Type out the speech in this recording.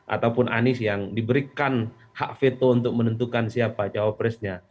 ataupun anies yang diberikan hak veto untuk menentukan siapa cawapresnya